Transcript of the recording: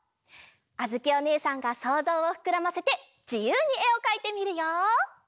あづきおねえさんがそうぞうをふくらませてじゆうにえをかいてみるよ！